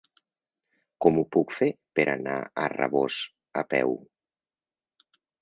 Com ho puc fer per anar a Rabós a peu?